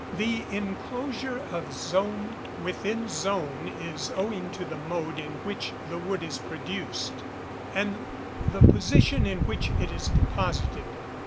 The inclosure of zone within zone is owing to the mode in which the wood is produced, and the position in which it is deposited.